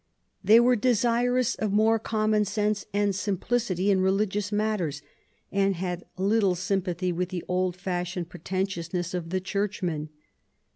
They were desirous of more common sense and simplicity in religious matters, and had little sympathy with the old fashioned pretentiousness of the Churchmen.